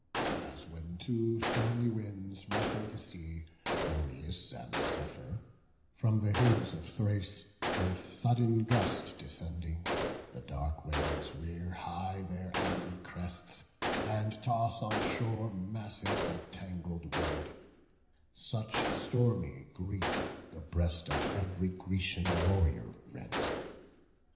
As when two stormy winds ruffle the sea, Boreas and Zephyr, from the hills of Thrace With sudden gust descending; the dark waves Rear high their angry crests, and toss on shore Masses of tangled weed; such stormy grief The breast of ev'ry Grecian warrior rent.